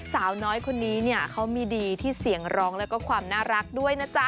สาวน้อยคนนี้เนี่ยเขามีดีที่เสียงร้องแล้วก็ความน่ารักด้วยนะจ๊ะ